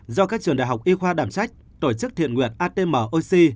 do các trường đại học y khoa đảm sách tổ chức thiện nguyện atm oc